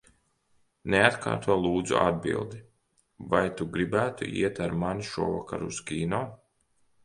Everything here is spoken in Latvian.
Neatkārto, lūdzu, atbildi. Vai tu gribētu iet ar mani šovakar uz kino?